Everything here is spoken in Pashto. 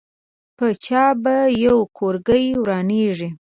په چا به یو کورګۍ ورانېږي.